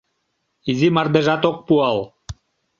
Изи мардежат ок пуал.